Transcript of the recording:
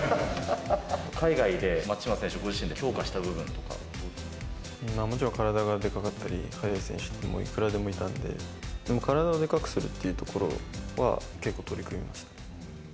海外で松島選手、ご自身で強もちろん体がでかかったり、速い選手っていうのはいくらでもいたんで、でも体をでかくするっていうところは、結構、取り組みました。